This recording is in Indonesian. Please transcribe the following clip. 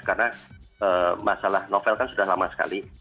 karena masalah novel kan sudah lama sekali